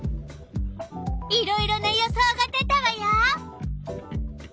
いろいろな予想が出たわよ。